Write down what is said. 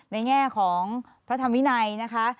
แง่ของพระธรรมวินัยนะคะ